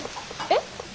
えっ？